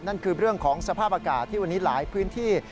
นั่นคือเรื่องของสภาพอากาศที่วันนี้หลายพื้นที่